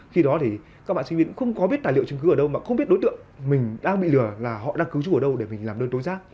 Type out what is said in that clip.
khi đó thì các bạn sinh viên cũng không có biết tài liệu chứng cứ ở đâu mà không biết đối tượng mình đang bị lừa là họ đang cứu chú ở đâu để mình làm đơn tối giác